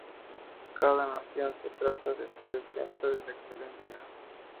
Cada nación se trata de ser el centro de la excelencia.